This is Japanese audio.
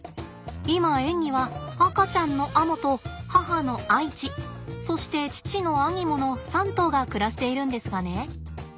今園には赤ちゃんのアモと母のアイチそして父のアニモの３頭が暮らしているんですがね